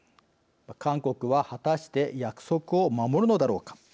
韓国は果たして約束を守るのだろうか。